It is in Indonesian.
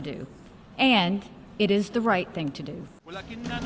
dan itu hal yang benar